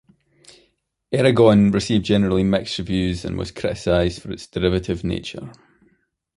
"Eragon" received generally mixed reviews and was criticized for its derivative nature.